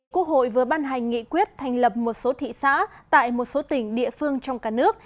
quốc hội vừa ban hành nghị quyết thành lập một số thị xã tại một số tỉnh địa phương trong cả nước